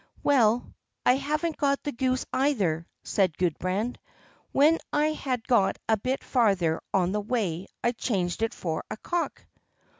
"Well, I haven't got the goose either," said Gudbrand. "When I had got a bit farther on the way I changed it for a cock."